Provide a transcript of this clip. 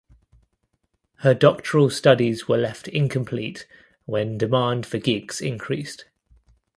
Her doctoral studies were left incomplete when demand for gigs increased.